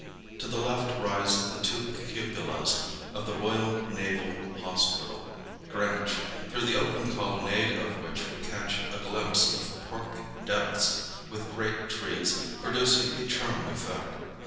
To the left rise the two cupolas of the Royal Naval Hospital, Greenwich, through the open colonnade of which we catch a glimpse of park depths with great trees, producing a charming effect.